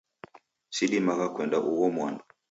Sidimagha kuenda ugho mwandu.